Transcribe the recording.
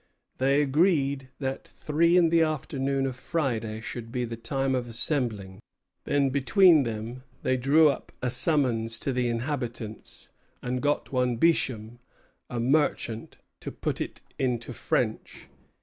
They agreed that three in the afternoon of Friday should be the time of assembling; then between them they drew up a summons to the inhabitants, and got one Beauchamp, a merchant, to "put it into French."